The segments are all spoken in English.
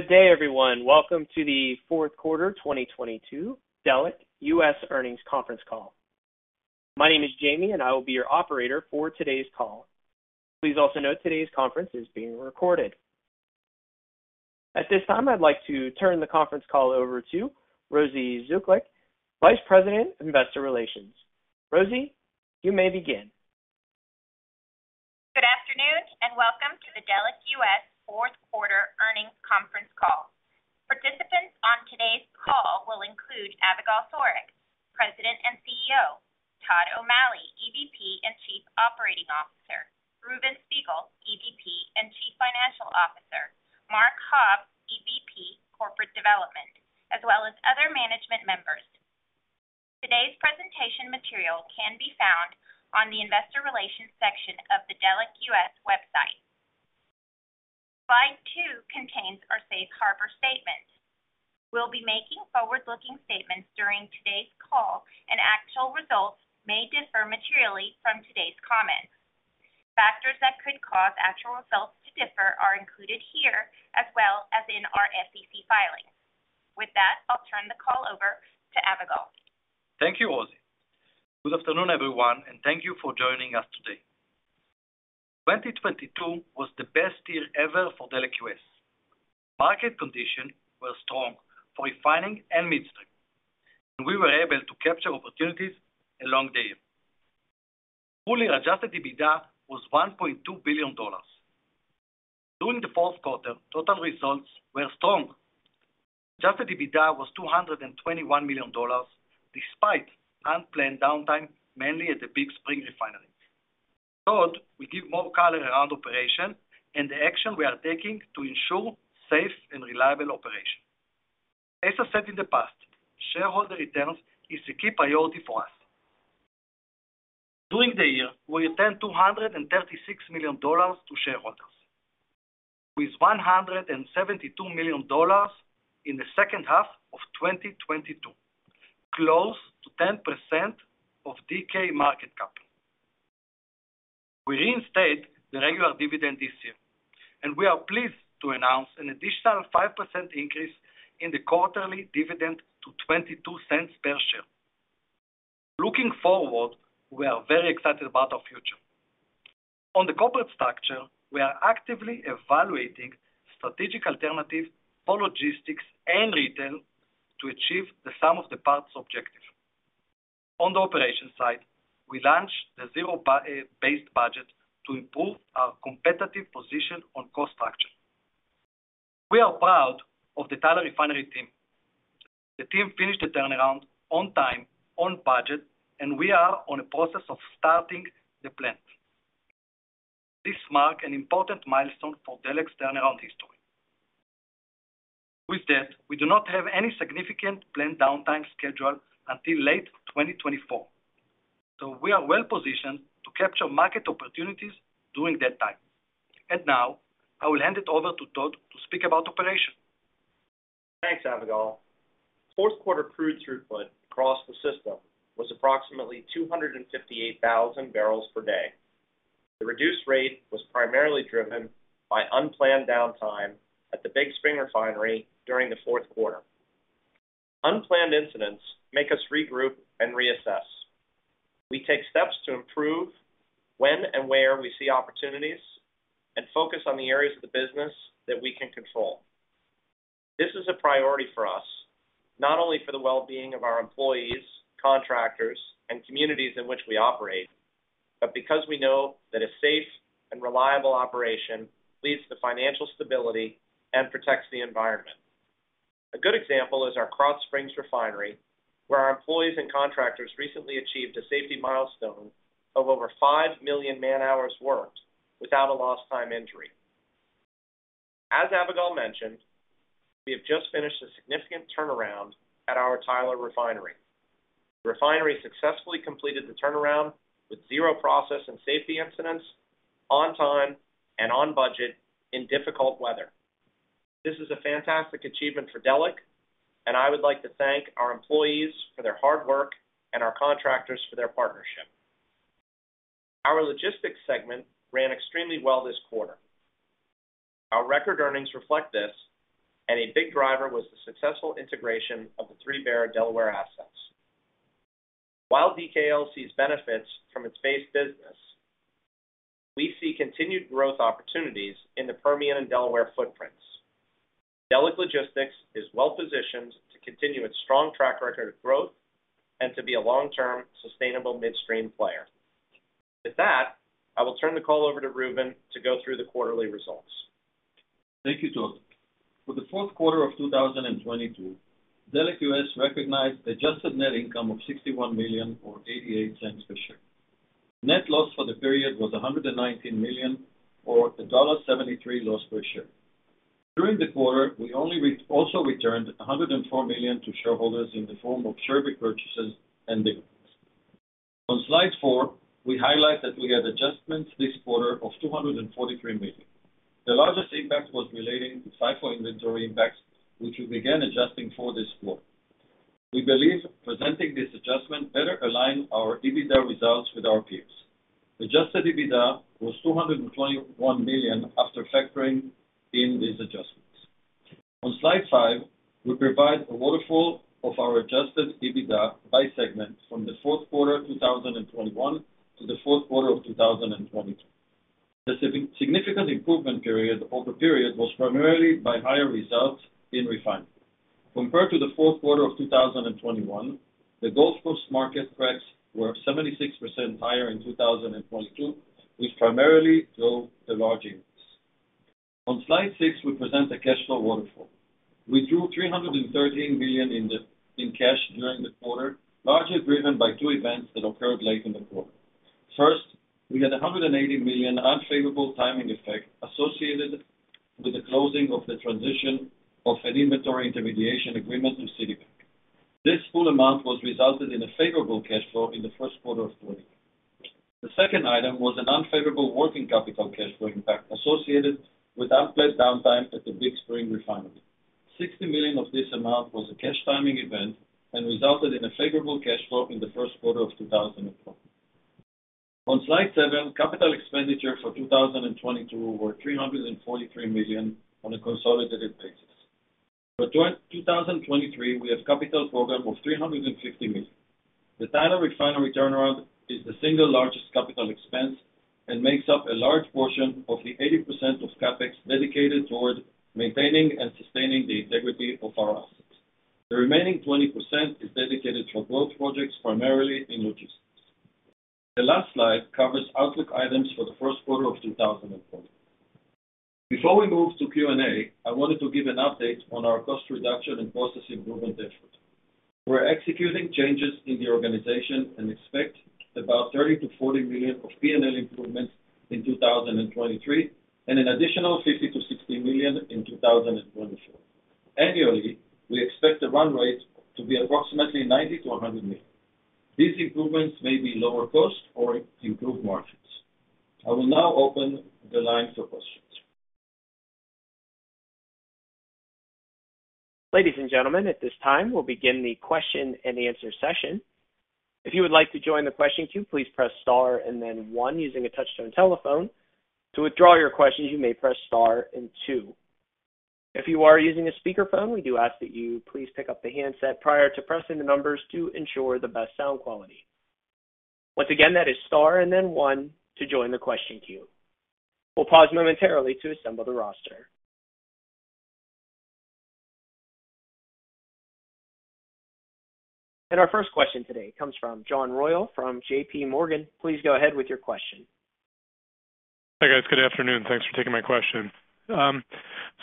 Good day, everyone. Welcome to the Q4 2022 Delek US Earnings Conference Call. My name is Jamie. I will be your operator for today's call. Please also note today's conference is being recorded. At this time, I'd like to turn the conference call over to Rosy Zuklic, Vice President, Investor Relations. Rosy, you may begin. Good afternoon, welcome to the Delek US Q4 earnings conference call. Participants on today's call will include Avigal Soreq, President and CEO, Todd O'Malley, EVP and Chief Operating Officer, Reuven Spiegel, EVP and Chief Financial Officer, Mark Hobbs, EVP Corporate Development, as well as other management members. Today's presentation material can be found on the investor relations section of the Delek US website. Slide two contains our safe harbor statement. We'll be making forward-looking statements during today's call, actual results may differ materially from today's comments. Factors that could cause actual results to differ are included here as well as in our SEC filings. With that, I'll turn the call over to Avigal. Thank you, Rosie. Good afternoon, everyone. Thank you for joining us today. 2022 was the best year ever for Delek US. Market condition were strong for refining and midstream. We were able to capture opportunities along the way. Fully adjusted EBITDA was $1.2 billion. During the Q4, total results were strong. Adjusted EBITDA was $221 million, despite unplanned downtime, mainly at the Big Spring refinery. Todd, we give more color around operation. The action we are taking to ensure safe and reliable operation. As I said in the past, shareholder returns is a key priority for us. During the year, we returned $236 million to shareholders. With $172 million in the H2 of 2022, close to 10% of DK market capital. We reinstate the regular dividend this year. We are pleased to announce an additional 5% increase in the quarterly dividend to $0.22 per share. Looking forward, we are very excited about our future. On the corporate structure, we are actively evaluating strategic alternatives for logistics and retail to achieve the sum of the parts objective. On the operations side, we launched the zero based budget to improve our competitive position on cost structure. We are proud of the Tyler Refinery team. The team finished the turnaround on time, on budget. We are on a process of starting the plant. This mark an important milestone for Delek's turnaround history. With that, we do not have any significant planned downtime schedule until late 2024. We are well-positioned to capture market opportunities during that time. Now, I will hand it over to Todd to speak about operation. Thanks, Avigal. Q4 crude throughput across the system was approximately 258,000 barrels per day. The reduced rate was primarily driven by unplanned downtime at the Big Spring Refinery during the Q4. Unplanned incidents make us regroup and reassess. We take steps to improve when and where we see opportunities and focus on the areas of the business that we can control. This is a priority for us, not only for the well-being of our employees, contractors, and communities in which we operate, but because we know that a safe and reliable operation leads to financial stability and protects the environment. A good example is our Krotz Springs Refinery, where our employees and contractors recently achieved a safety milestone of over 5 million man-hours worked without a lost time injury. As Avigal mentioned, we have just finished a significant turnaround at our Tyler Refinery. The refinery successfully completed the turnaround with zero process and safety incidents on time and on budget in difficult weather. This is a fantastic achievement for Delek, and I would like to thank our employees for their hard work and our contractors for their partnership. Our logistics segment ran extremely well this quarter. Our record earnings reflect this, and a big driver was the successful integration of the Three Bear Delaware assets. While DKL sees benefits from its base business, we see continued growth opportunities in the Permian and Delaware footprints. Delek Logistics is well-positioned to continue its strong track record of growth and to be a long-term, sustainable midstream player. With that, I will turn the call over to Reuven to go through the quarterly results. Thank you, Todd. For the Q4 of 2022, Delek US recognized adjusted net income of $61 million or $0.88 per share. Net loss for the period was $119 million or a $1.73 loss per share. During the quarter, we also returned $104 million to shareholders in the form of share repurchases and dividends. On slide four, we highlight that we had adjustments this quarter of $243 million. The largest impact was relating to FIFO inventory impacts, which we began adjusting for this quarter. We believe presenting this adjustment better align our EBITDA results with our peers. Adjusted EBITDA was $221 million after factoring in these adjustments. On slide five, we provide a waterfall of our adjusted EBITDA by segment from the Q4 2021 to the Q4 of 2022. The significant improvement period over period was primarily by higher results in refining. Compared to the Q4 of 2021, the Gulf Coast market cracks were 76% higher in 2022, which primarily drove the large increase. On slide six, we present the cash flow waterfall. We drew $313 million in cash during the quarter, largely driven by two events that occurred late in the quarter. First, we had a $180 million unfavorable timing effect associated with the closing of the transition of an inventory intermediation agreement with Citibank. This full amount was resulted in a favorable cash flow in the Q1 of 2020. The second item was an unfavorable working capital cash flow impact associated with unplanned downtime at the Big Spring Refinery. $60 million of this amount was a cash timing event and resulted in a favorable cash flow in the Q1 of 2020. On Slide seven, capital expenditure for 2022 were $343 million on a consolidated basis. For 2023, we have capital program of $350 million. The Tyler Refinery turnaround is the single largest capital expense and makes up a large portion of the 80% of CapEx dedicated toward maintaining and sustaining the integrity of our assets. The remaining 20% is dedicated for growth projects, primarily in logistics. The last slide covers outlook items for the Q1 of 2023. Before we move to Q&A, I wanted to give an update on our cost reduction and process improvement effort. We're executing changes in the organization and expect about $30 million-$40 million of P&L improvements in 2023 and an additional $50 million-$60 million in 2024. Annually, we expect the run rate to be approximately $90 million-$100 million. These improvements may be lower cost or improved margins. I will now open the line for questions. Ladies and gentlemen, at this time, we'll begin the question-and-answer session. If you would like to join the question queue, please press star and then one using a touch-tone telephone. To withdraw your question, you may press star and two. If you are using a speakerphone, we do ask that you please pick up the handset prior to pressing the numbers to ensure the best sound quality. Once again, that is star and then two to join the question queue. We'll pause momentarily to assemble the roster. Our first question today comes from John Royall from JP Morgan. Please go ahead with your question. Hi, guys. Good afternoon. Thanks for taking my question.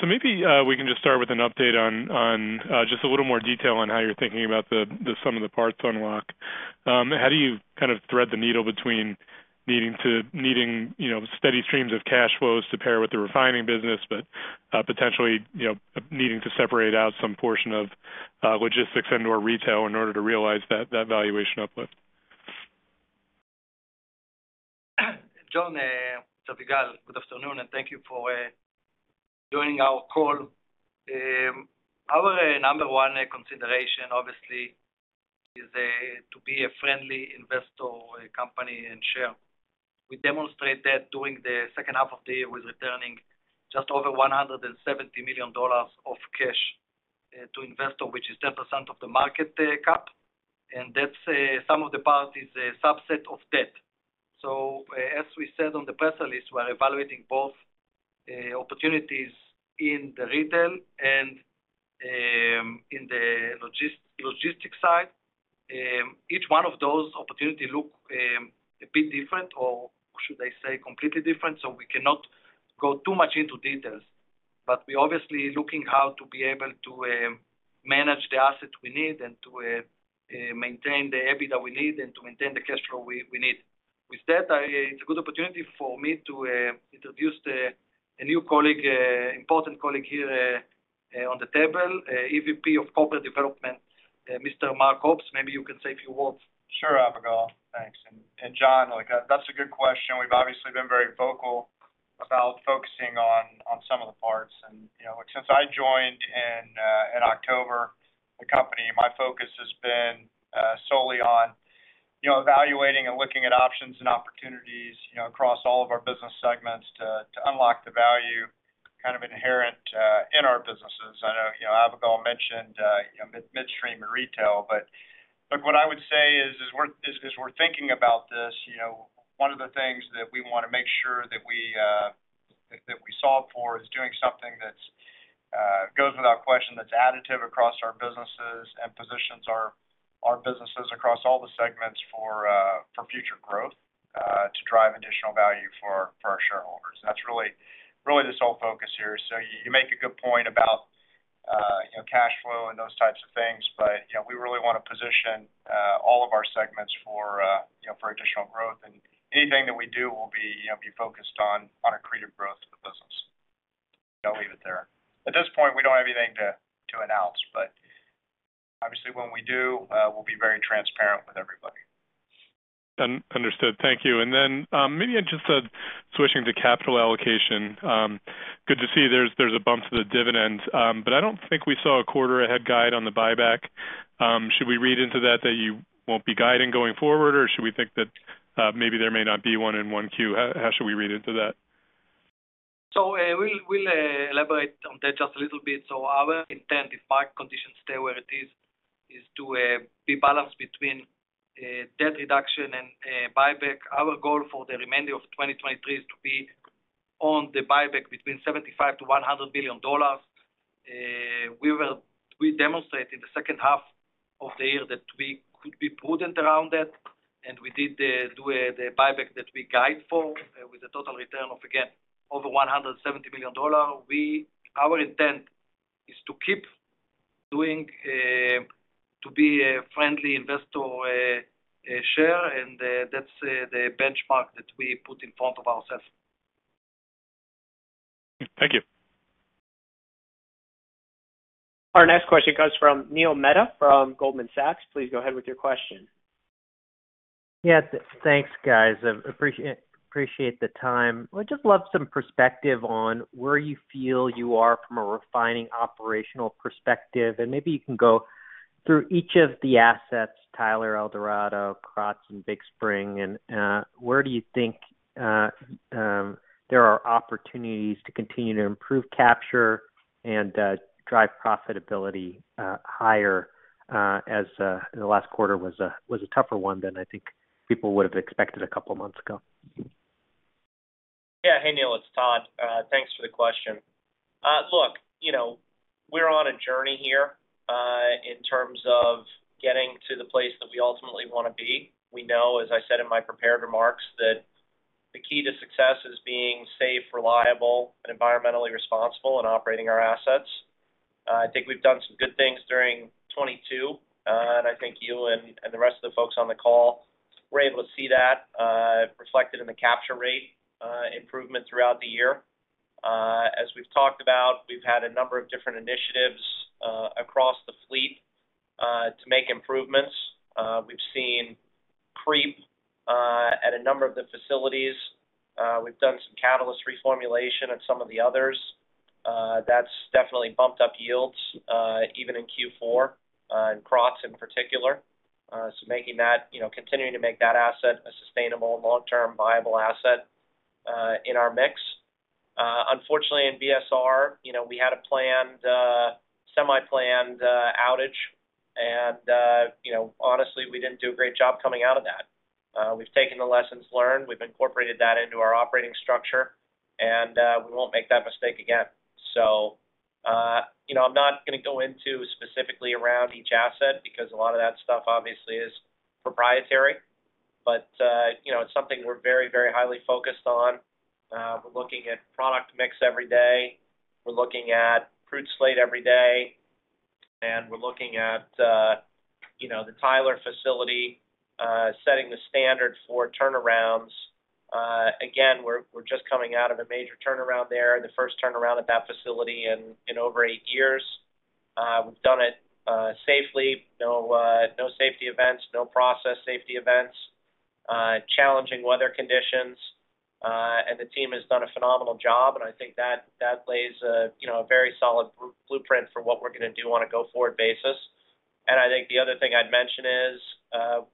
Maybe we can just start with an update on just a little more detail on how you're thinking about the sum-of-the-parts unlock. How do you kind of thread the needle between needing, you know, steady streams of cash flows to pair with the refining business, but potentially, you know, needing to separate out some portion of logistics into our retail in order to realize that valuation uplift? John, it's Avigal. Good afternoon, and thank you for joining our call. Our number one consideration, obviously, is to be a friendly investor company and share. We demonstrate that during the second half of the year with returning just over $170 million of cash to investor, which is 10% of the market cap, and that's some of the parties a subset of debt. As we said on the press release, we're evaluating both opportunities in the retail and in the logistic side. Each one of those opportunity look a bit different, or should I say, completely different. We cannot go too much into details, but we're obviously looking how to be able to manage the assets we need and to maintain the EBITDA we need and to maintain the cash flow we need. With that, it's a good opportunity for me to introduce a new colleague, important colleague here on the table, EVP of Corporate Development, Mr. Mark Hobbs. Maybe you can say a few words. Sure, Avigal. Thanks. John, look, that's a good question. We've obviously been very vocal about focusing on sum-of-the-parts. You know, look, since I joined in October, the company, my focus has been solely on, you know, evaluating and looking at options and opportunities, you know, across all of our business segments to u nlock the value kind of inherent in our businesses. I know, you know, Avigal mentioned, you know, midstream and retail, but, look, what I would say is we're, as we're thinking about this, you know, one of the things that we wanna make sure that we, that we solve for is doing something that's, goes without question, that's additive across our businesses and positions our businesses across all the segments for future growth, to drive additional value for our shareholders. That's really the sole focus here. You make a good point about, you know, cash flow and those types of things, but, you know, we really wanna position all of our segments for, you know, for additional growth. Anything that we do will be, you know, be focused on accretive growth to the business. I'll leave it there. At this point, we don't have anything to announce, but obviously, when we do, we'll be very transparent with everyone. Thank you. Maybe just switching to capital allocation. Good to see there's a bump to the dividend. I don't think we saw a quarter ahead guide on the buyback. Should we read into that you won't be guiding going forward? Should we think that maybe there may not be one in Q1? How should we read into that? We'll elaborate on that just a little bit. Our intent, if market conditions stay where it is to be balanced between debt reduction and buyback. Our goal for the remainder of 2023 is to be on the buyback between $75 billion-$100 billion. We demonstrate in the H2 of the year that we could be prudent around that. We did do the buyback that we guide for, with a total return of, again, over $170 million. Our intent is to keep doing to be a friendly investor share. That's the benchmark that we put in front of ourselves. Thank you. Our next question comes from Neil Mehta from Goldman Sachs. Please go ahead with your question. Yeah. Thanks, guys. Appreciate the time. I'd just love some perspective on where you feel you are from a refining operational perspective, and maybe you can go through each of the assets, Tyler, El Dorado, Krotz, and Big Spring. Where do you think there are opportunities to continue to improve capture and drive profitability higher as the last quarter was a tougher one than I think people would have expected a couple months ago? Yeah. Hey, Neil, it's Todd. Thanks for the question. Look, you know, we're on a journey here, in terms of getting to the place that we ultimately wanna be. We know, as I said in my prepared remarks, that the key to success is being safe, reliable and environmentally responsible in operating our assets. I think we've done some good things during 2022, and I think you and the rest of the folks on the call were able to see that reflected in the capture rate improvement throughout the year. As we've talked about, we've had a number of different initiatives across the fleet to make improvements. We've seen creep at a number of the facilities. We've done some catalyst reformulation on some of the others. That's definitely bumped up yields, even in Q4, in Krotz in particular. making that, you know, continuing to make that asset a sustainable and long-term viable asset, in our mix. unfortunately, in VSR, you know, we had a planned, semi-planned, outage, and, you know, honestly, we didn't do a great job coming out of that. We've taken the lessons learned. We've incorporated that into our operating structure, and, we won't make that mistake again. you know, I'm not gonna go into specifically around each asset because a lot of that stuff obviously is proprietary. you know, it's something we're very, very highly focused on. We're looking at product mix every day. We're looking at crude slate every day, and we're looking at, you know, the Tyler facility, setting the standard for turnarounds. Again, we're just coming out of a major turnaround there and the first turnaround at that facility in over eight years. We've done it safely. No, no safety events, no process safety events, challenging weather conditions, and the team has done a phenomenal job, and I think that lays a, you know, a very solid blueprint for what we're gonna do on a go-forward basis. I think the other thing I'd mention is,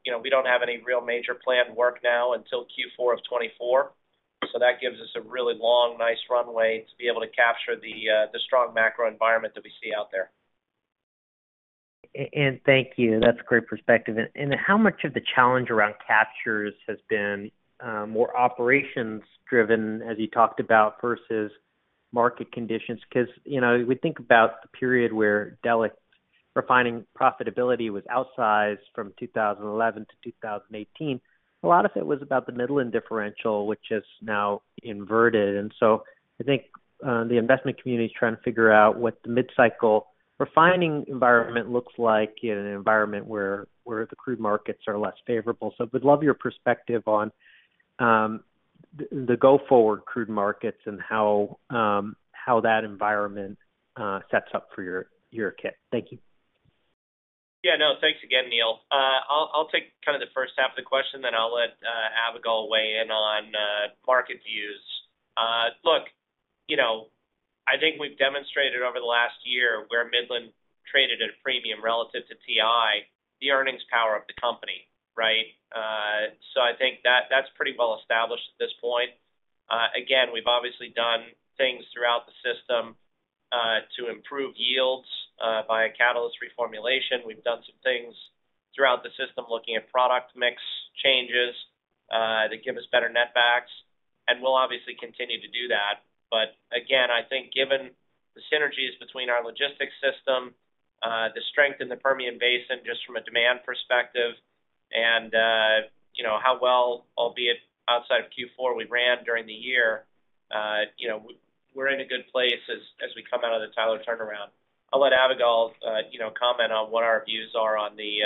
you know, we don't have any real major planned work now until Q4 of 2024. That gives us a really long, nice runway to be able to capture the strong macro environment that we see out there. Thank you. That's a great perspective. How much of the challenge around captures has been more operations-driven, as you talked about, versus market conditions? Cause, you know, we think about the period where Delek refining profitability was outsized from 2011-2018. A lot of it was about the Midland differential, which is now inverted. I think the investment community is trying to figure out what the mid-cycle refining environment looks like in an environment where the crude markets are less favorable. Would love your perspective on the go-forward crude markets and how that environment sets up for your kit. Thank you. Yeah, no. Thanks again, Neil. I'll take kind of the H1 of the question, then I'll let Avigal weigh in on market views. Look, you know, I think we've demonstrated over the last year where Midland traded at a premium relative to WTI, the earnings power of the company, right? I think that's pretty well established at this point. Again, we've obviously done things throughout the system to improve yields via catalyst reformulation. We've done some things throughout the system looking at product mix changes that give us better netbacks, we'll obviously continue to do that. Again, I think given the synergies between our logistics system, the strength in the Permian Basin, just from a demand perspective, and, you know, how well, albeit outside of Q4 we ran during the year, you know, we're in a good place as we come out of the Tyler turnaround. I'll let Avigal, you know, comment on what our views are on the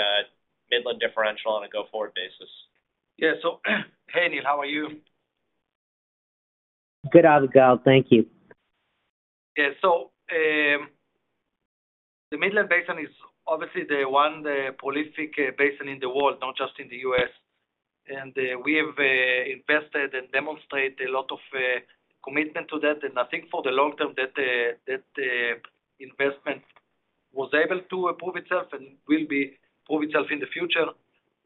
Midland differential on a go-forward basis. Yeah. Hey, Neil, how are you? Good. Avigal, thank you. The Midland Basin is obviously the one prolific basin in the world, not just in the US. We have invested and demonstrate a lot of commitment to that. I think for the long term that that investment was able to prove itself and will prove itself in the future.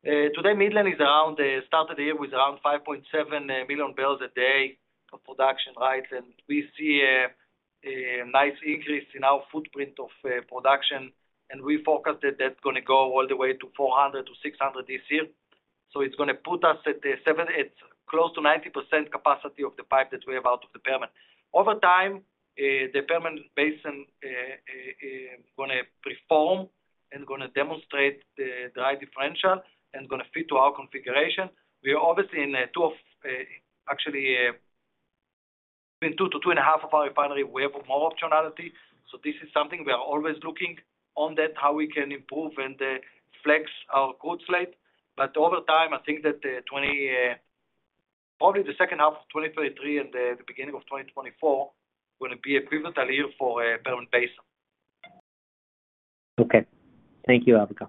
Today, Midland is around started the year with around 5.7 million barrels a day of production, right? We see a nice increase in our footprint of production, and we forecasted that's gonna go all the way to 400-600 this year. It's gonna put us at close to 90% capacity of the pipe that we have out of the Permian. Over time, the Permian Basin is gonna perform and gonna demonstrate the right differential and gonna fit to our configuration. We are obviously in two of actually between two to two and a half of our refinery, we have more optionality. This is something we are always looking on that, how we can improve and flex our crude slate. Over time, I think that probably the second half of 2023 and the beginning of 2024 will be a pivotal year for Permian Basin. Okay. Thank you, Avigal.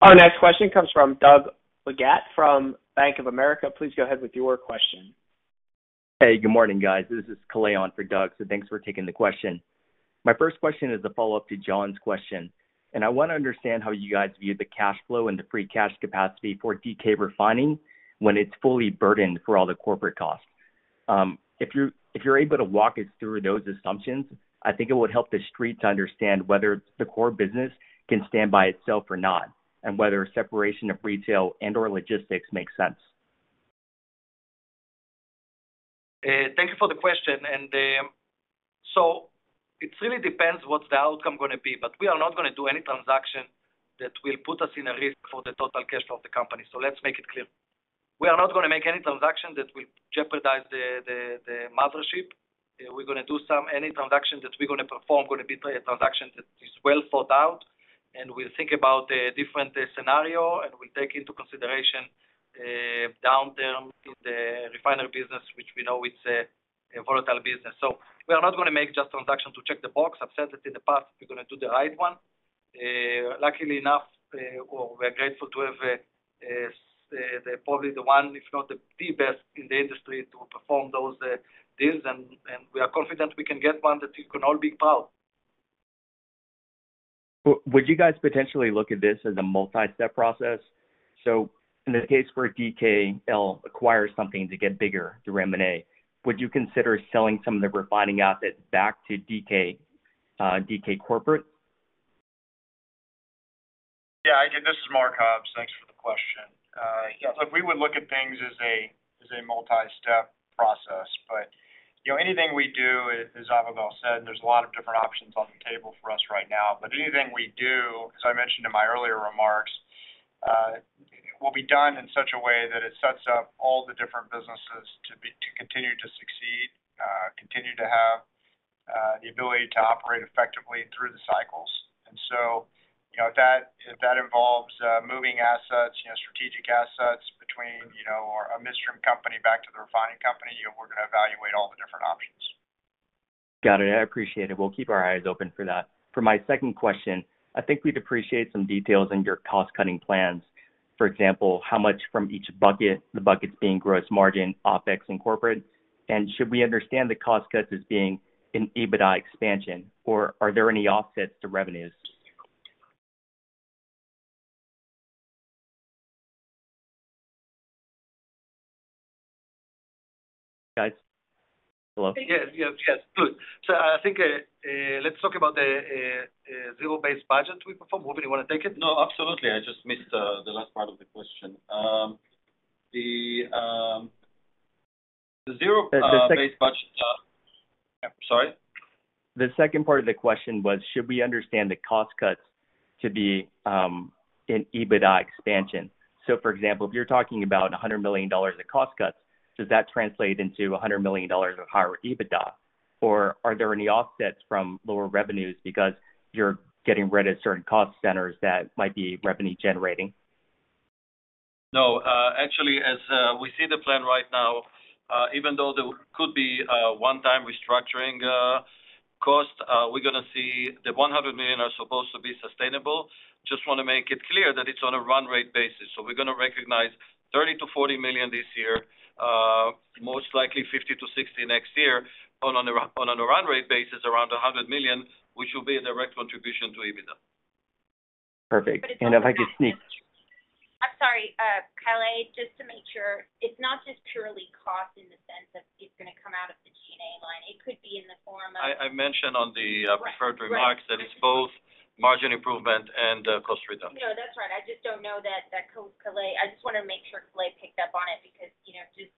Our next question comes from Doug Leggate from Bank of America. Please go ahead with your question. Hey, good morning, guys. This is Kaleem for Doug Leggate. Thanks for taking the question. My first question is a follow-up to John's question. I wanna understand how you guys view the cash flow and the free cash capacity for DK Refining when it's fully burdened for all the corporate costs. If you're able to walk us through those assumptions, I think it would help the Street to understand whether the core business can stand by itself or not, whether separation of retail and/or logistics makes sense. Thank you for the question. It really depends what's the outcome gonna be, but we are not gonna do any transaction that will put us in a risk for the total cash flow of the company. Let's make it clear. We are not gonna make any transaction that will jeopardize the mothership. We're gonna do any transaction that we're gonna perform, gonna be a transaction that is well thought out, and we'll think about the different scenario, and we'll take into consideration downturn to the refinery business, which we know is a volatile business. We are not gonna make just transaction to check the box. I've said it in the past, we're gonna do the right one. luckily enough, or we're grateful to have, the, probably the one, if not the best in the industry to perform those, deals. We are confident we can get one that you can all be proud. Would you guys potentially look at this as a multi-step process? In the case where DKL acquires something to get bigger through M&A, would you consider selling some of the refining assets back to DK Corporate? Yeah. This is Mark Hobbs. Thanks for the question. Yeah, look, we would look at things as a, as a multi-step process. You know, anything we do, as Avigdor said, there's a lot of different options on the table for us right now. Anything we do, as I mentioned in my earlier remarks, will be done in such a way that it sets up all the different businesses to continue to succeed, continue to have the ability to operate effectively through the cycles. You know, if that, if that involves moving assets, you know, strategic assets between, you know, a midstream company back to the refining company, you know, we're gonna evaluate all the different options. Got it. I appreciate it. We'll keep our eyes open for that. For my second question, I think we'd appreciate some details on your cost-cutting plans. For example, how much from each bucket, the buckets being gross margin, OpEx, and corporate? Should we understand the cost cuts as being an EBITDA expansion, or are there any offsets to revenues? Guys? Hello? Yes. Yes. Yes. Good. I think let's talk about the zero-based budgeting we perform. Avigal, you wanna take it? No, absolutely. I just missed the last part of the question. the the zero- The. based budget,... Sorry? The second part of the question was, should we understand the cost cuts to be an EBITDA expansion? For example, if you're talking about $100 million in cost cuts, does that translate into $100 million of higher EBITDA? Are there any offsets from lower revenues because you're getting rid of certain cost centers that might be revenue generating? No. Actually, as we see the plan right now, even though there could be a one-time restructuring cost, we're gonna see the $100 million are supposed to be sustainable. Just wanna make it clear that it's on a run rate basis. We're gonna recognize $30 million-$40 million this year, most likely $50 million-$60 million next year, on a run rate basis, around $100 million, which will be a direct contribution to EBITDA. Perfect. I'm sorry, Kaleem, just to make sure, it's not just purely cost in the sense that it's gonna come out of the G&A line. It could be in the form of- I mentioned. Right. Right.... preferred remarks that it's both margin improvement and, cost reduction. No, that's right. I just don't know that, I just wanna make sure Kaleeem picked up on it because, you know, just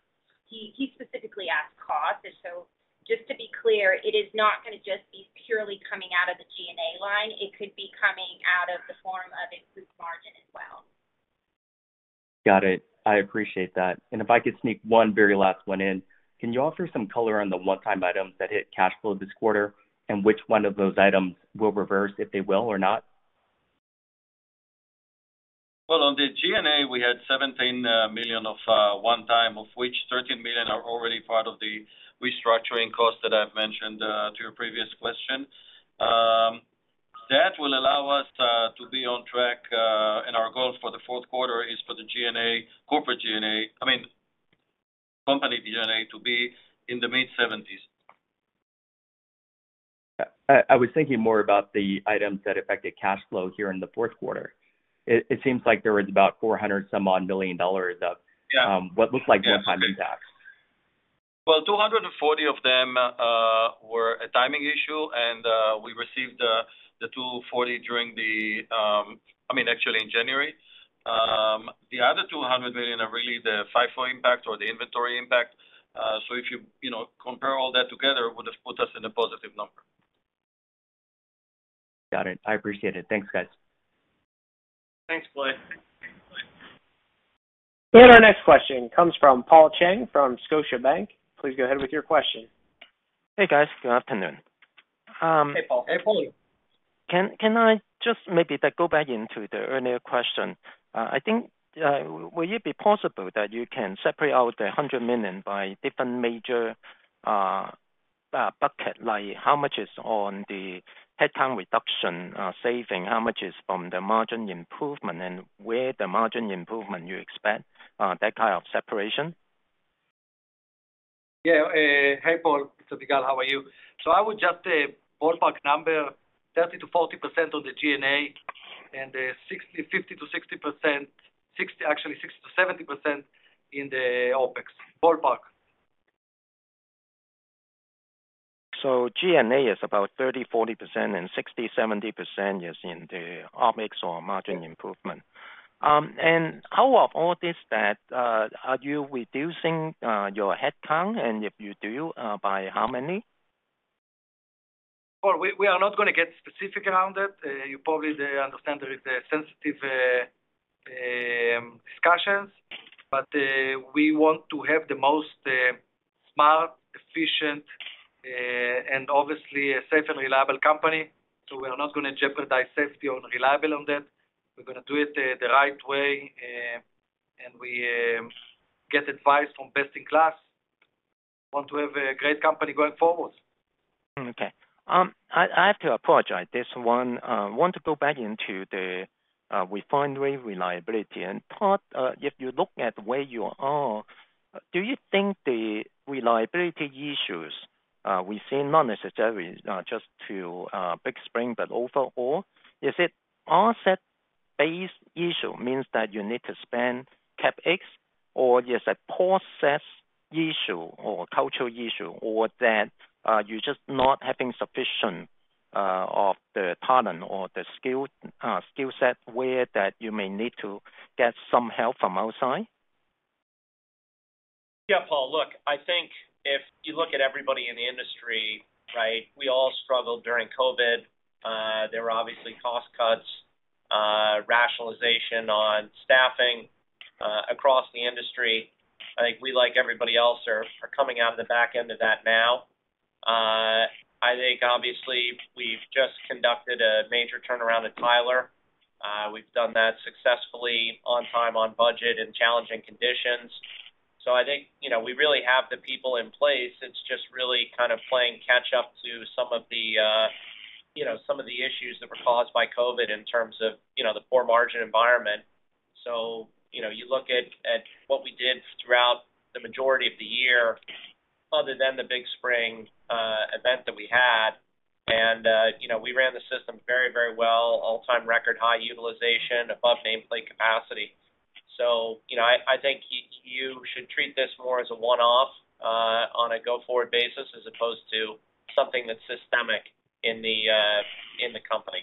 he specifically asked cost. Just to be clear, it is not gonna just be purely coming out of the G&A line. It could be coming out of the form of improved margin as well. Got it. I appreciate that. If I could sneak one very last one in. Can you offer some color on the one-time items that hit cash flow this quarter and which one of those items will reverse, if they will or not? On the G&A, we had $17 million of one time, of which $13 million are already part of the restructuring costs that I've mentioned to your previous question. That will allow us to be on track, and our goal for the Q4 is for the G&A, company G&A to be in the mid-$70s. I was thinking more about the items that affected cash flow here in the Q4. It seems like there was about $400 some odd million dollars. Yeah. what looked like one-time impact. Well, 240 of them were a timing issue, and we received the 240 during the, I mean, actually, in January. The other $200 million are really the FIFO impact or the inventory impact. If you know, compare all that together, it would have put us in a positive number. Got it. I appreciate it. Thanks, guys. Thanks, Bhutta. Our next question comes from Paul Cheng from Scotiabank. Please go ahead with your question. Hey, guys. Good afternoon. Hey, Paul. Hey, Paul. Can I just maybe go back into the earlier question? I think, will it be possible that you can separate out the $100 million by different major bucket, like how much is on the headcount reduction saving, how much is from the margin improvement and where the margin improvement you expect that kind of separation? Yeah. Hey, Paul. Avigal, how are you? I would just ballpark number 30%-40% on the G&A, 60%-70% in the OpEx. Ballpark. G&A is about 30%-40% and 60%-70% is in the OpEx or margin improvement. How of all this that are you reducing your headcount? If you do, by how many? Well, we are not gonna get specific around it. You probably understand there is sensitive discussions. We want to have the most smart, efficient, and obviously a safe and reliable company. We are not gonna jeopardize safety or reliable on that. We're gonna do it the right way. We get advice from best in class. Want to have a great company going forward. Okay. I have to apologize. There's one, I want to go back into the refinery reliability. Todd, if you look at where you are, do you think the reliability issues we've seen not necessarily just to Big Spring, but overall, is it asset-based issue, means that you need to spend CapEx or there's a process issue or cultural issue or that you're just not having sufficient of the talent or the skill set where that you may need to get some help from outside? Paul. Look, I think if you look at everybody in the industry, right, we all struggled during COVID. There were obviously cost cuts, rationalization on staffing, across the industry. I think we, like everybody else, are coming out of the back end of that now. I think obviously we've just conducted a major turnaround at Tyler. We've done that successfully on time, on budget, in challenging conditions. I think, you know, we really have the people in place. It's just really kind of playing catch up to some of the, you know, some of the issues that were caused by COVID in terms of, you know, the poor margin environment. You know, you look at what we did throughout the majority of the year, other than the Big Spring event that we had, and, you know, we ran the system very, very well, all-time record high utilization above nameplate capacity. You know, I think you should treat this more as a one-off on a go-forward basis, as opposed to something that's systemic in the in the company.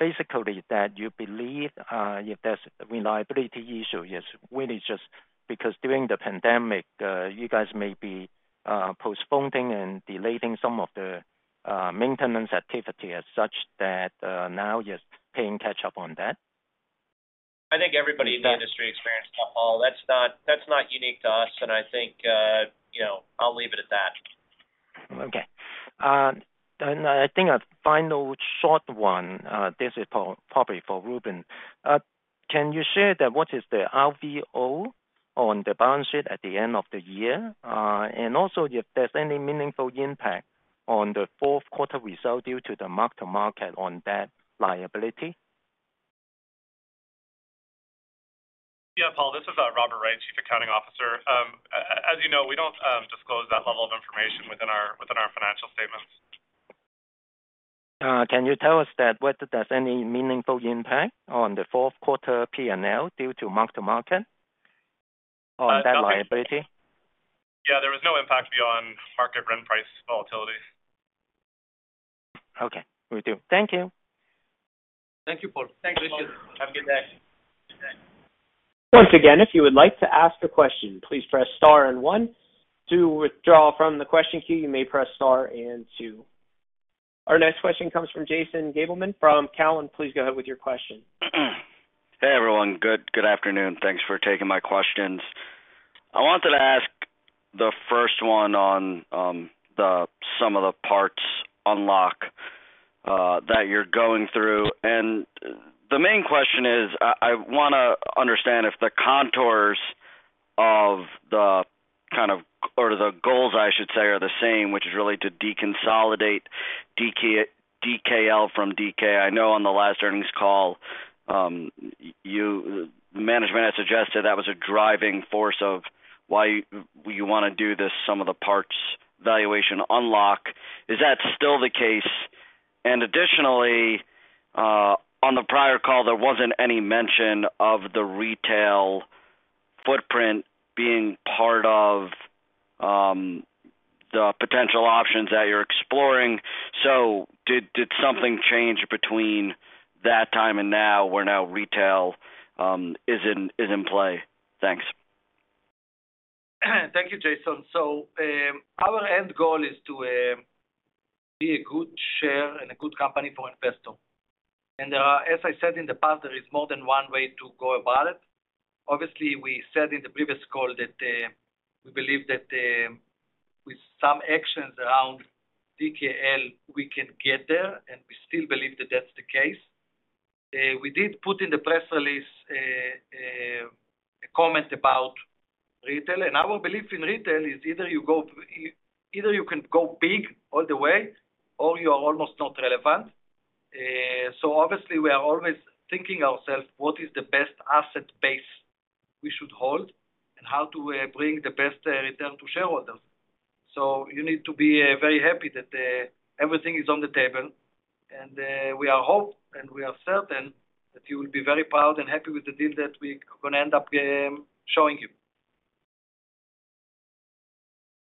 Basically that you believe, if there's reliability issue, it's really just because during the pandemic, you guys may be postponing and delaying some of the maintenance activity as such that, now you're playing catch up on that? I think everybody in the industry experienced that, Paul. That's not, that's not unique to us. I think, you know, I'll leave it at that. Okay. I think a final short one, this is probably for Reuven. Can you share that what is the RVO on the balance sheet at the end of the year? Also if there's any meaningful impact on the Q4 result due to the mark-to-market on that liability? Yeah, Paul, this is Robert Wright, Chief Accounting Officer. As you know, we don't disclose that level of information within our, within our financial statements. Can you tell us that whether there's any meaningful impact on the Q4 P&L due to mark-to-market on that liability? Yeah. There was no impact beyond market rent price volatility. Okay. Will do. Thank you. Thank you, Paul. Thanks, Paul. Have a good day. Once again, if you would like to ask a question, please press star and one. To withdraw from the question queue, you may press star and two. Our next question comes from Jason Gabelman from Cowen. Please go ahead with your question. Hey, everyone. Good afternoon. Thanks for taking my questions. I wanted to ask First one on the sum-of-the-parts unlock that you're going through. And the main question is, I wanna understand if the contours of the kind of or the goals, I should say, are the same, which is really to deconsolidate DK, DKL from DK. I know on the last earnings call, management had suggested that was a driving force of why you wanna do this sum-of-the-parts valuation unlock. Is that still the case? And additionally, on the prior call, there wasn't any mention of the retail footprint being part of the potential options that you're exploring. So did something change between that time and now where now retail is in play? Thanks. Thank you, Jason. Our end goal is to be a good share and a good company for investor. As I said in the past, there is more than one way to go about it. Obviously, we said in the previous call that we believe that with some actions around DKL, we can get there, and we still believe that that's the case. We did put in the press release a comment about retail. Our belief in retail is either you can go big all the way or you are almost not relevant. Obviously we are always thinking ourselves what is the best asset base we should hold and how to bring the best return to shareholders. You need to be very happy that everything is on the table. We are certain that you will be very proud and happy with the deal that we gonna end up showing you.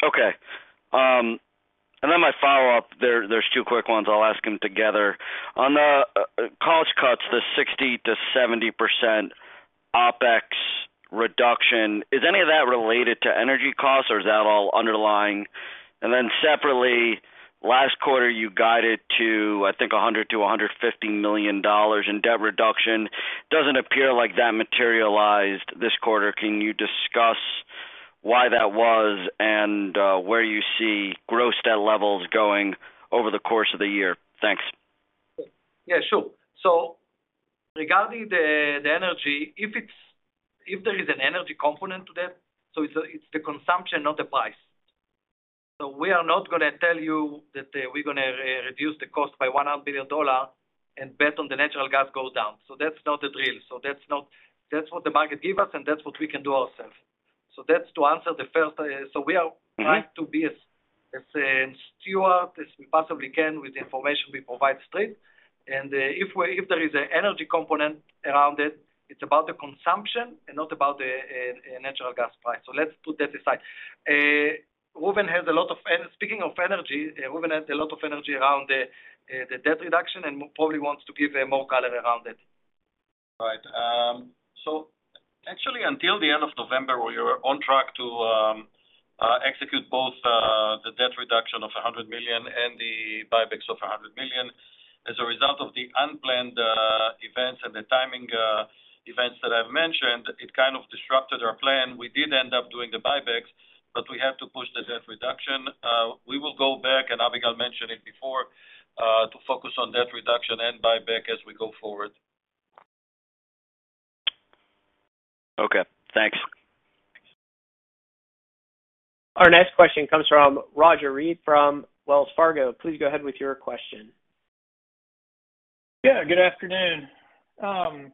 Okay. My follow-up, there's two quick ones. I'll ask them together. On the cost cuts, the 60%-70% OpEx reduction, is any of that related to energy costs or is that all underlying? Separately, last quarter, you guided to, I think, a $100 million-$150 million in debt reduction. Doesn't appear like that materialized this quarter. Can you discuss why that was and where you see gross debt levels going over the course of the year? Thanks. Yeah, sure. Regarding the energy, if there is an energy component to that, it's the consumption, not the price. We are not gonna tell you that we're gonna reduce the cost by $100 billion and bet on the natural gas go down. That's not the drill. That's not. That's what the market give us, and that's what we can do ourselves. That's to answer the first. We are trying to be as steward as we possibly can with the information we provide straight. If there is an energy component around it's about the consumption and not about the natural gas price. Let's put that aside. Reuven has a lot of. Speaking of energy, Reuven has a lot of energy around the debt reduction and probably wants to give more color around it. Right. Actually until the end of November, we were on track to execute both the debt reduction of $100 million and the buybacks of $100 million. As a result of the unplanned events and the timing events that I've mentioned, it kind of disrupted our plan. We did end up doing the buybacks, but we had to push the debt reduction. We will go back, and Abigail mentioned it before, to focus on debt reduction and buyback as we go forward. Okay, thanks. Our next question comes from Roger Read from Wells Fargo. Please go ahead with your question. Yeah, good afternoon. I'm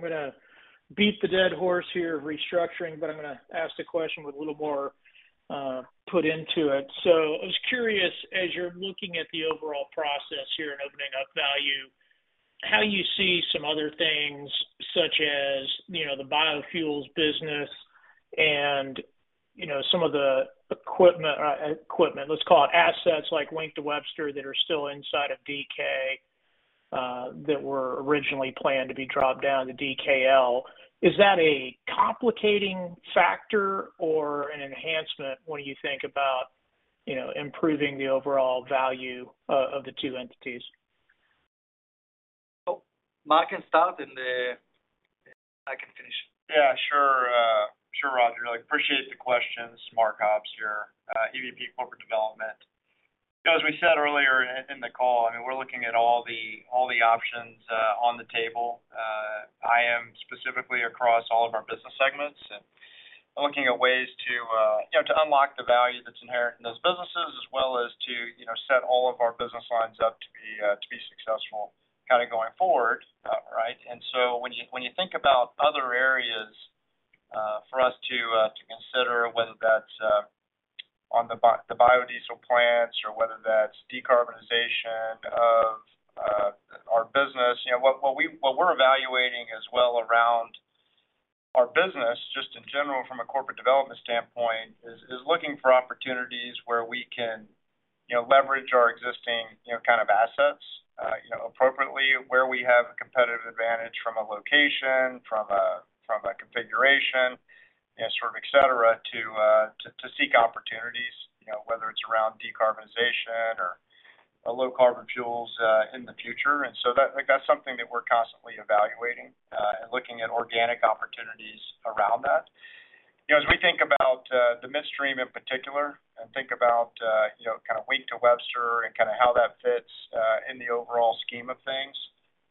gonna beat the dead horse here of restructuring, I'm gonna ask the question with a little more put into it. I was curious, as you're looking at the overall process here and opening up value, how you see some other things such as, you know, the biofuels business and, you know, some of the equipment, let's call it assets like Wink to Webster that are still inside of DK that were originally planned to be dropped down to DKL. Is that a complicating factor or an enhancement when you think about, you know, improving the overall value of the two entities? Oh, Mark can start, and, I can finish. Yeah, sure. Sure, Roger. I appreciate the question. This is Mark Hobbs here, EVP Corporate Development. You know, as we said earlier in the call, I mean, we're looking at all the, all the options on the table. I am specifically across all of our business segments, and I'm looking at ways to, you know, to unlock the value that's inherent in those businesses, as well as to, you know, set all of our business lines up to be to be successful kinda going forward, right? When you, when you think about other areas for us to consider, whether that's on the biodiesel plants or whether that's decarbonization of our business. You know, what we're evaluating as well around our business, just in general from a corporate development standpoint, is looking for opportunities where we can, you know, leverage our existing, you know, kind of assets, appropriately, where we have a competitive advantage from a location, from a configuration, you know, sort of et cetera, to seek opportunities, you know, whether it's around decarbonization or A low-carbon fuels in the future. That, like, that's something that we're constantly evaluating and looking at organic opportunities around that. You know, as we think about the midstream in particular and think about, you know, kind of Wink to Webster and kinda how that fits in the overall scheme of things,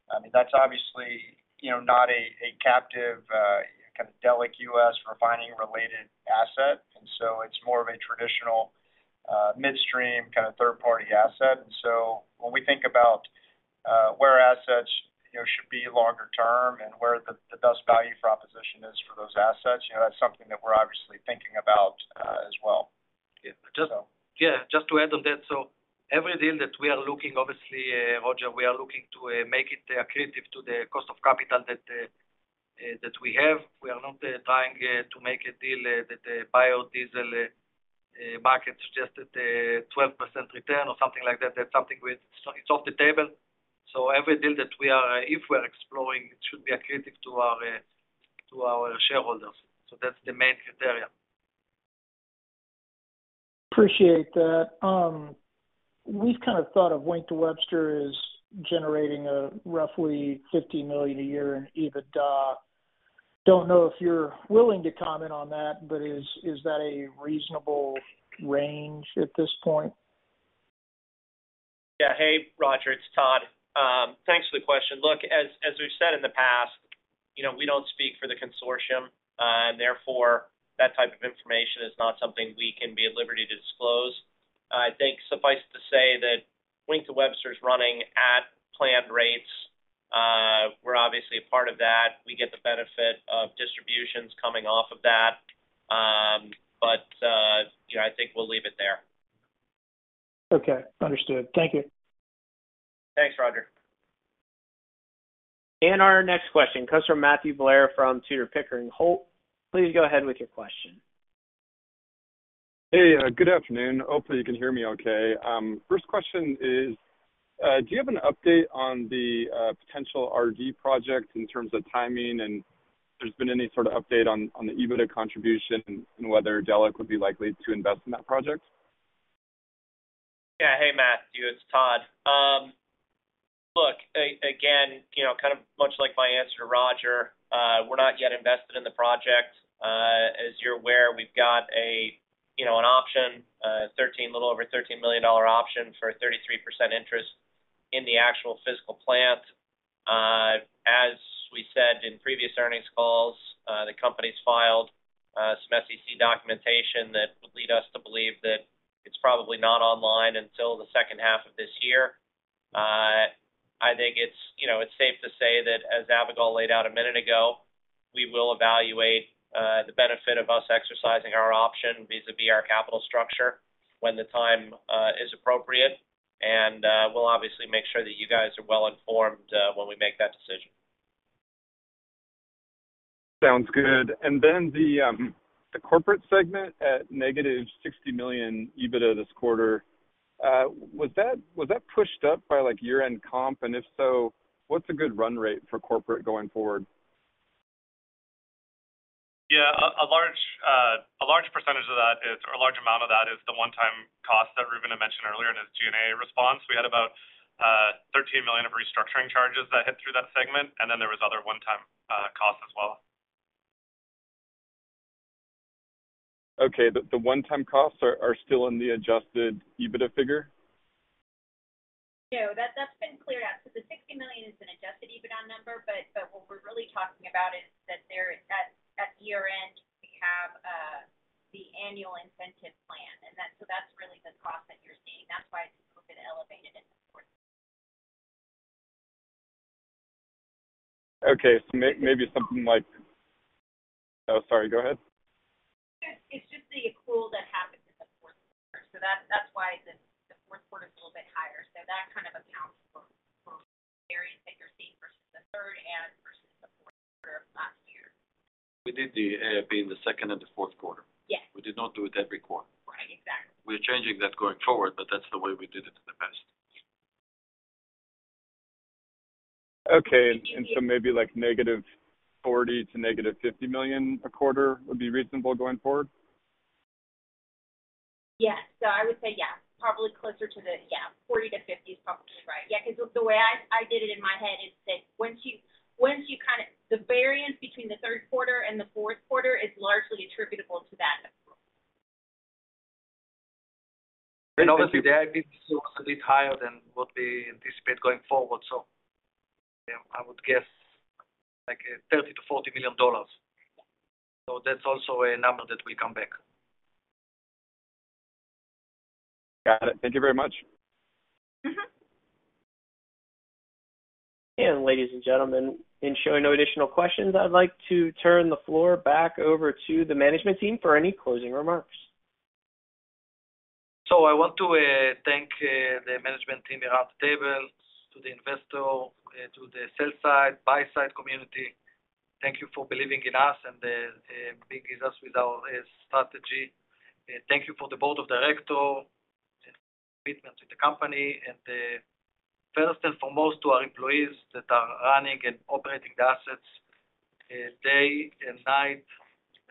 I mean, that's obviously, you know, not a captive kind of Delek US refining related asset. It's more of a traditional midstream kind of third-party asset. When we think about where assets, you know, should be longer term and where the best value proposition is for those assets, you know, that's something that we're obviously thinking about as well. Yeah. So. Yeah. Just to add on that. Every deal that we are looking, obviously, Roger, we are looking to make it accretive to the cost of capital that we have. We are not trying to make a deal that the biodiesel market suggested a 12% return or something like that. That's something it's off the table. Every deal that we are if we're exploring, it should be accretive to our to our shareholders. That's the main criteria. Appreciate that. We've kind of thought of Wink to Webster as generating, roughly $50 million a year in EBITDA. Don't know if you're willing to comment on that, but is that a reasonable range at this point? Yeah. Hey, Roger, it's Todd. Thanks for the question. Look, as we've said in the past, you know, we don't speak for the consortium. Therefore, that type of information is not something we can be at liberty to disclose. I think suffice to say that Wink to Webster is running at planned rates. We're obviously a part of that. We get the benefit of distributions coming off of that. You know, I think we'll leave it there. Okay. Understood. Thank you. Thanks, Roger. Our next question comes from Matthew Blair from Tudor, Pickering, Holt & Co. Please go ahead with your question. Hey, good afternoon. Hopefully you can hear me okay. First question is, do you have an update on the potential RG project in terms of timing and if there's been any sort of update on the EBITDA contribution and whether Delek would be likely to invest in that project? Yeah. Hey, Matthew, it's Todd. Look, again, you know, kind of much like my answer to Roger, we're not yet invested in the project. As you're aware, we've got a, you know, an option, little over $13 million option for a 33% interest in the actual physical plant. As we said in previous earnings calls, the company's filed some SEC documentation that would lead us to believe that it's probably not online until the H2 of this year. I think it's, you know, it's safe to say that as Avigal laid out a minute ago, we will evaluate the benefit of us exercising our option vis-à-vis our capital structure when the time is appropriate. We'll obviously make sure that you guys are well informed when we make that decision. Sounds good. The corporate segment at -$60 million EBITDA this quarter, was that pushed up by like year-end comp? If so, what's a good run rate for corporate going forward? A large percentage of that is, or a large amount of that is the one-time cost that Reuven had mentioned earlier in his G&A response. We had about $13 million of restructuring charges that hit through that segment, and then there was other one-time costs as well. Okay. The one-time costs are still in the adjusted EBITDA figure? No. That's been cleared out. The $60 million is an adjusted EBITDA number, but what we're really talking about is that at year-end, we have the annual incentive plan. That's really the cost that you're seeing. That's why it's a little bit elevated in the quarter. Okay. maybe something like... Oh, sorry. Go ahead. It's just the accrual that happens in the Q4. That's why the Q4 is a little bit higher. That kind of accounts for variance that you're seeing versus the Q3 and versus the Q4 of last year. We did the AIP in the Q2 and the Q4. Yes. We did not do it every quarter. Right. Exactly. We're changing that going forward, but that's the way we did it in the past. Okay. Continue. Maybe like -$40 million to -$50 million a quarter would be reasonable going forward? Yes. I would say yes. Probably closer to the. Yeah, 40-50 is probably right. Yeah. Because the way I did it in my head is that once you kinda the variance between the third quarter and the Q4 is largely attributable to that accrual. Obviously the AIP is a bit higher than what we anticipate going forward, yeah, I would guess like $30 million-$40 million. That's also a number that will come back. Got it. Thank you very much. Mm-hmm. Ladies and gentlemen, in showing no additional questions, I'd like to turn the floor back over to the management team for any closing remarks. I want to thank the management team around the table, to the investor, to the sell side, buy side community. Thank you for believing in us and being with us with our strategy. Thank you for the board of director and commitment to the company and first and foremost to our employees that are running and operating the assets day and night,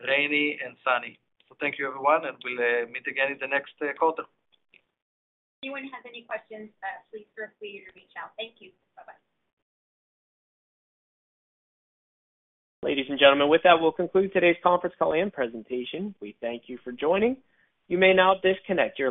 rainy and sunny. Thank you, everyone, and we'll meet again in the next quarter. Anyone has any questions, please feel free to reach out. Thank you. Bye-bye. Ladies and gentlemen, with that, we'll conclude today's conference call and presentation. We thank you for joining. You may now disconnect your line.